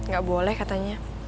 gak boleh katanya